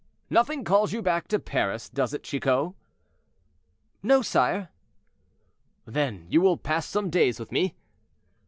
"Nothing calls you back to Paris, does it, Chicot?" "No, sire." "Then you will pass some days with me?"